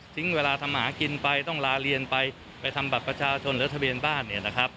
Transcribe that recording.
ซิ้งเวลาทำหมากินไปต้องลาเรียนไปไปทำบัตรประชาชนและทะเบียนบ้าน